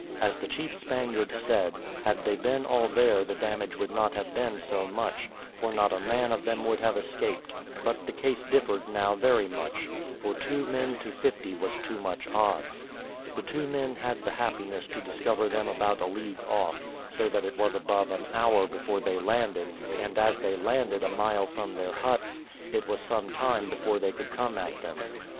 As the chief Spaniard said, had they been all there the damage would not have been so much, for not a man of them would have escaped; but the case differed now very much, for two men to fifty was too much odds. The two men had the happiness to discover them about a league off, so that it was above an hour before they landed; and as they landed a mile from their huts, it was some time before they could come at them.